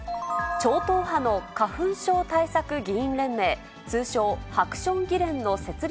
超党派の花粉症対策議員連盟、通称、ハクション議連の設立